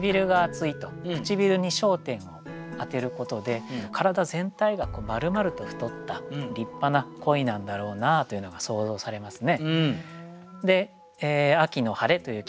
くちびるに焦点を当てることで体全体が丸々と太った立派な鯉なんだろうなというのが想像されますね。